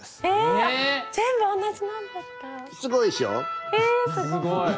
えすごい。